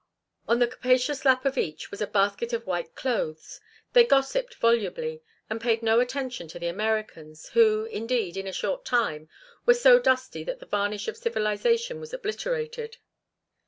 On the capacious lap of each was a basket of white clothes. They gossiped volubly and paid no attention to the Americans, who, indeed, in a short time, were so dusty that the varnish of civilization was obliterated.